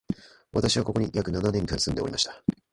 私は、ここに約七年間住んでおりました